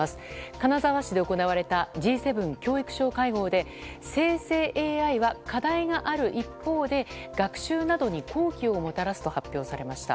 金沢市で行われたＧ７教育相会合で生成ＡＩは課題がある一方で学習などに好機をもたらすと発表されました。